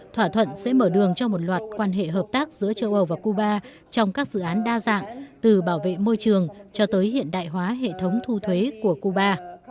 thỏa thuận sẽ mở đường cho một loạt quan hệ hợp tác giữa châu âu và cuba trong các dự án đa dạng từ bảo vệ môi trường cho tới hiện đại hóa hệ thống thu thuế của cuba